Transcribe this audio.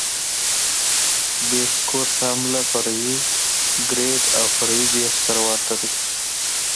بیس کورس هم له فرعي ګریډ او فرعي بیس سره ورته دی